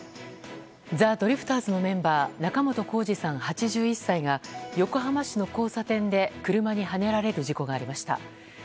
ザ・ドリフターズのメンバー仲本工事さん、８１歳が横浜市の交差点で車にはねられる事故がありました。